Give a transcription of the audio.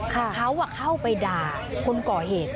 เขาเข้าไปด่าคนก่อเหตุ